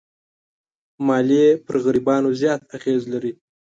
مالیې پر غریبانو زیات اغېز لري.